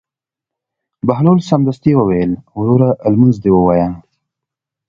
بهلول سمدستي وویل: وروره لمونځ دې ووایه.